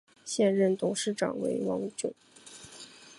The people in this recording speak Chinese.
现任董事长为王炯。